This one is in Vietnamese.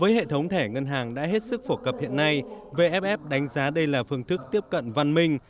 với hệ thống thẻ ngân hàng đã hết sức phổ cập hiện nay vff đánh giá đây là phương thức tiếp cận văn minh